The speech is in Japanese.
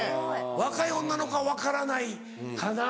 若い女の子は分からないかな？